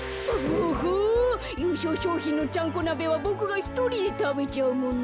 おほゆうしょうしょうひんのちゃんこなべはボクがひとりでたべちゃうもんね。